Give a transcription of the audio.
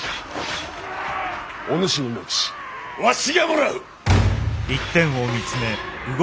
お主の命わしがもらう！